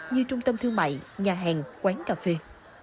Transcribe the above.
như trung tâm thương mại nhà hàng quán cà phê